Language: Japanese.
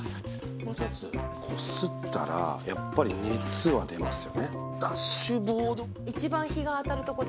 こすったらやっぱり熱は出ますよね。